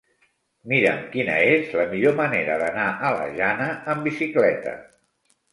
Mira'm quina és la millor manera d'anar a la Jana amb bicicleta.